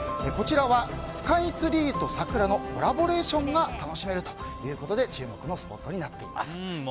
こちらはスカイツリーと桜のコラボレーションが楽しめるということで注目のスポットとなっています。